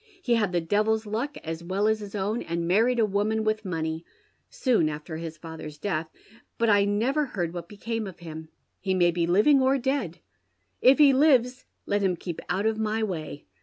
He had tlie devil's luck as well as his own, and manied a woman with money, soon after his father's death, but I never heard wliat became of him. He may be living or dead. If he lives let him keep out of my way.